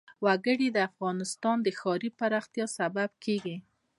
وګړي د افغانستان د ښاري پراختیا سبب کېږي.